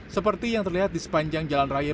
seperti yang terlihat di sepanjang jalan raya